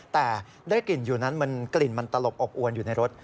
แต่ได้กลิ่นอยู่นั้นมันกลิ่นมันตลบอบอวนอยู่ในรถ